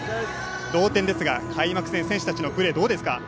同点ですが、開幕戦選手たちのプレー、どうですか？